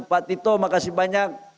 pak tito makasih banyak